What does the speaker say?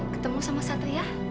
ketemu sama satria